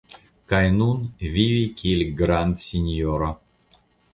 Kaj nun, vivi kiel grandsinjoro!